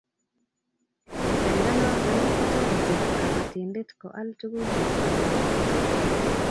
Pesendo notok ko tareti kabatindet ko al tuguk ab kasari